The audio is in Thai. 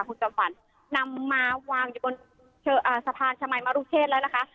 คุณจำฝันนำมาวางอยู่บนสะพานชมัยมรุเชษแล้วนะคะ